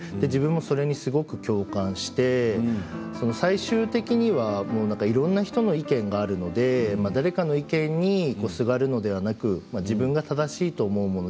自分がそれに共感をして最終的にはいろんな人の意見があるので誰かの意見にすがるのではなくて自分が正しいと思うもの